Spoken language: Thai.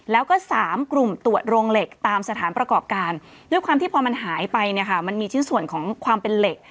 แล้วก็๓กลุ่มตรวจโรงเหล็กตามสถานประกอบการด้วยความที่พอมันหายไปเนี่ยค่ะมันมีชิ้นส่วนของความเป็นเหล็ก